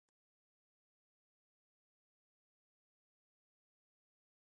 It sjocht der in bytsje stil út.